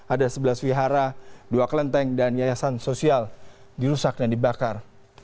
ada sebelas wihara dua kelenteng dan yayasan sosial dirusak dan dibakar